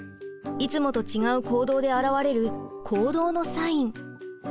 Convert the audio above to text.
いつもと違う行動で表れる行動のサイン。